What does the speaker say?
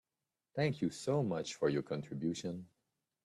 Thank you so much for your contribution.